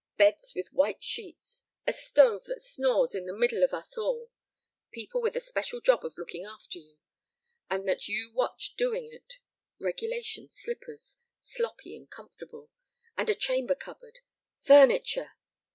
Beds with white sheets, a stove that snores in the middle of us all, people with the special job of looking after you, and that you watch doing it, regulation slippers sloppy and comfortable and a chamber cupboard. Furniture!